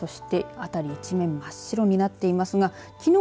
辺り一面真っ白になっていますがきのう